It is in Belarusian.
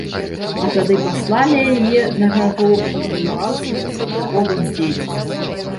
А тады паслалі яе на гару па кілбасы гаспадаровым дзецям.